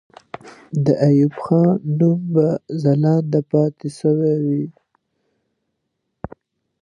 د ایوب خان نوم به ځلانده پاتې سوی وي.